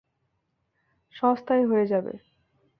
সস্তায় হয়ে যাবে।